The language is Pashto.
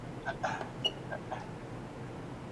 ایا ډاکټر د لوړ ږغ سره پاڼه ړنګه کړه؟